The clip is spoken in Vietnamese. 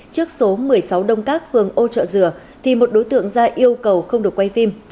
trước số một mươi sáu đông các phường ô trợ dừa thì một đối tượng ra yêu cầu không được quay phim